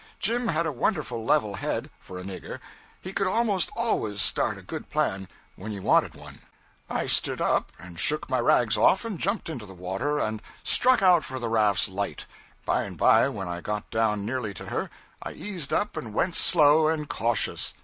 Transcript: Jim had a wonderful level head, for a nigger: he could most always start a good plan when you wanted one. I stood up and shook my rags off and jumped into the river, and struck out for the raft's light. By and by, when I got down nearly to her, I eased up and went slow and cautious.